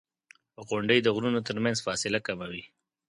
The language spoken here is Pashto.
• غونډۍ د غرونو ترمنځ فاصله کموي.